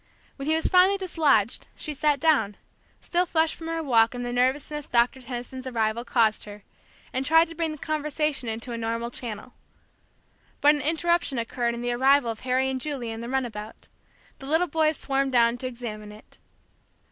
When he was finally dislodged, she sat down, still flushed from her walk and the nervousness Doctor Tenison's arrival caused her, and tried to bring the conversation into a normal channel. But an interruption occurred in the arrival of Harry and Julie in the runabout; the little boys swarmed down to examine it.